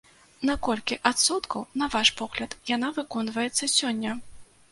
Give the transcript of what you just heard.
На колькі адсоткаў, на ваш погляд, яна выконваецца сёння?